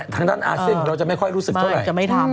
ทางด้านอาเซนต์เราจะไม่ค่อยรู้สึกเท่าไหร่